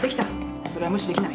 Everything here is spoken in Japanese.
それは無視できない。